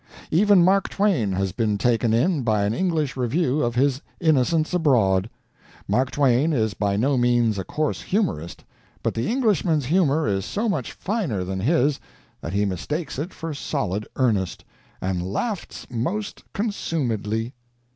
Even Mark Twain has been taken in by an English review of his Innocents Abroad. Mark Twain is by no means a coarse humorist, but the Englishman's humor is so much finer than his, that he mistakes it for solid earnest, and "larfs most consumedly."